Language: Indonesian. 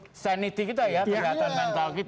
untuk sanity kita ya perjalanan mental kita